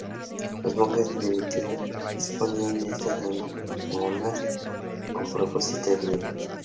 Los monjes benedictinos disponían estas antífonas con un propósito definido.